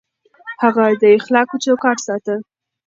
هغه د اخلاقو چوکاټ ساته.